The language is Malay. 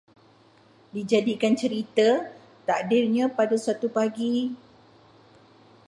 Dijadikan cerita, takdirnya pada suatu pagi